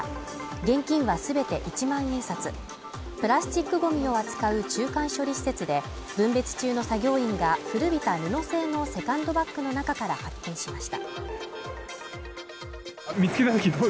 現金はすべて１万円札プラスチックごみを扱う中間処理施設で分別中の作業員が古びた布製のセカンドバッグの中から発見しました